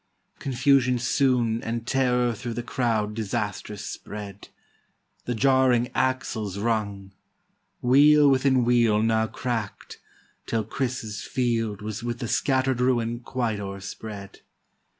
Confusion soon and terror through the crowd Disastrous spread; the jarring axles rung; Wheel within wheel now crack'd, till Chrysa's field Was with the scatter'd ruin quite o'erspread.